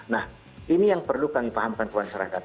nah ini yang perlu kami pahamkan ke masyarakat